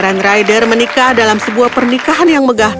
dan para pangeran ryder menikah dalam pernikahan yang keras